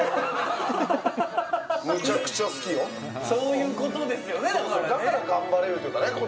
そういうことですよね、だから。